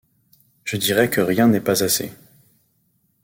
Je dirais que rien n’est pas assez !